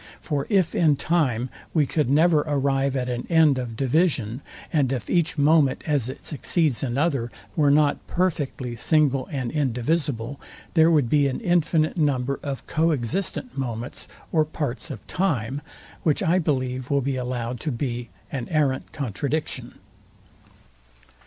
For if in time we could never arrive at an end of division, and if each moment, as it succeeds another, were not perfectly single and indivisible, there would be an infinite number of co existent moments, or parts of time; which I believe will be allowed to be an arrant contradiction.